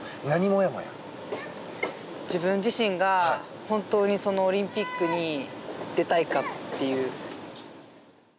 自分自身が本当にオリンピックに出たいかっていう。